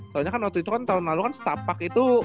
soalnya kan waktu itu kan tahun lalu kan setapak itu